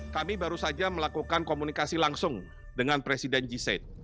kami baru saja melakukan komunikasi langsung dengan presiden g said